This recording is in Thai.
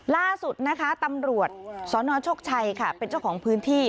ล่าสุดนะคะตำรวจสนชกชัยค่ะเป็นเจ้าของพื้นที่